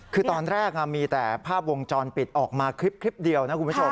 คือตอนแรกมีแต่ภาพวงจรปิดออกมาคลิปเดียวนะคุณผู้ชม